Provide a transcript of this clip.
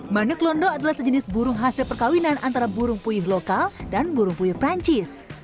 manuk londo adalah sejenis burung hasil perkawinan antara burung puyuh lokal dan burung puyuh perancis